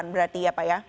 berarti ya pak ya